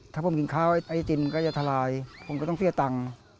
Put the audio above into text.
ถ้าผมกินข้าวไอติมก็จะทลายผมก็ต้องเฟียตังค์